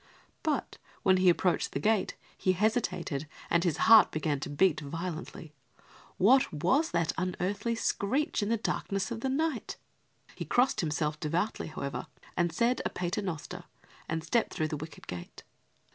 But when he approached the gate he hesitated and his heart began to beat violently. What was that unearthly screech in the darkness of the night? He crossed himself devoutly, however, and said a Paternoster and stepped through the wicket gate.